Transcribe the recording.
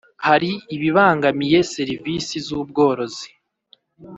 Hari ibibangamiye serivisi z’ ubworozi.